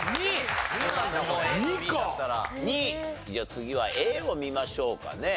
次はＡを見ましょうかね。